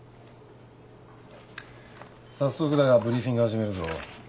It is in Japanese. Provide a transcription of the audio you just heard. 早速だがブリーフィング始めるぞ。